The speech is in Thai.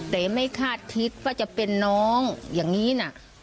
แต่ไม่คาดคิดว่าจะเป็นน้องอย่างนี้นะ